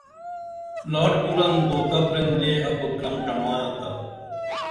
لاٹ کُرن دھوکہ پرین لے ابُت کرم چمائنتا